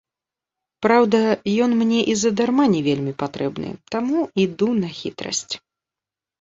Праўда, ён мне і задарма не вельмі патрэбны, таму іду на хітрасць.